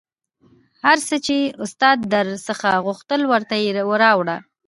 هر څه چې استاد در څخه غوښتل ورته یې راوړه